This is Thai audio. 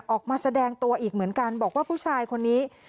ออกมาแสดงตัวอีกเหมือนกันบอกว่าผู้ชายคนนี้